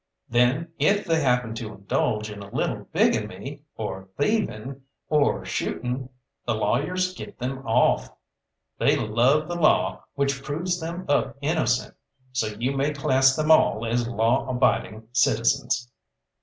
Then if they happen to indulge in a little bigamy, or thieving, or shooting, the lawyers get them off. They love the law which proves them up innocent, so you may class them all as law abiding citizens.